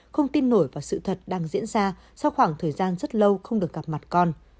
không tin nổi và sự thật đang diễn ra sau khoảng thời gian rất lâu không được gặp mặt con